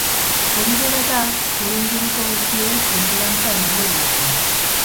Hori dela eta, zure inguruko guztiei konfidantza emango diezu.